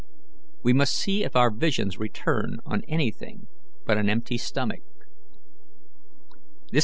We must see if our visions return on anything but an empty stomach." CHAPTER VI.